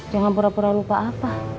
jangan pura pura lupa apa